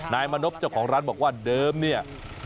นายมณพเจ้าของร้านบอกว่าเดิมเนี่ย